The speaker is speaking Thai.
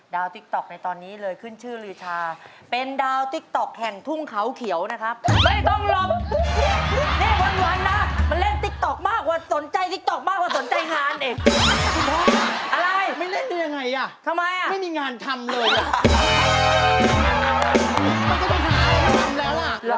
ลบออกลบเข้าลบเข้า